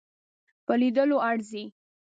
په لیدلو ارزي.